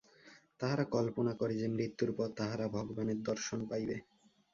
তাহারা কল্পনা করে যে, মৃত্যুর পর তাহারা ভগবানের দর্শন পাইবে।